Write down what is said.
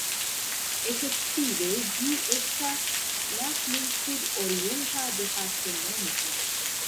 Efektive ĝi estas la plej sud-orienta departemento.